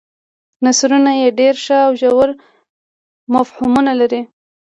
نثرونه یې ډېر ښه او ژور مفهومونه لري.